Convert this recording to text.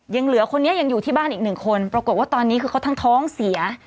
ยังเหลือคนนี้ยังอยู่ที่บ้านอีกหนึ่งคนปรากฏว่าตอนนี้คือเขาทั้งท้องเสีย